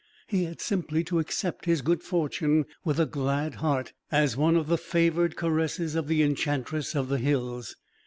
He had simply to accept his good fortune with a glad heart, as one of the favored caresses of the Enchantress of the Hills.